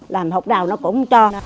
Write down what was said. làm học nào nó cũng cho